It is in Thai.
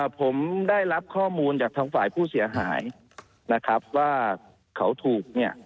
ผมได้รับข้อมูลจากทางฝ่ายผู้เสียหายนะครับว่าเขาถูกเนี่ย